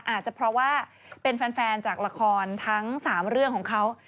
อาจจะเพราะว่าเป็นแฟนจากละครทั้ง๓เรื่องของเขา